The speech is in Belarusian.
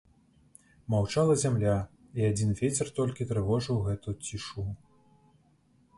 Маўчала зямля, і адзін вецер толькі трывожыў гэту цішу.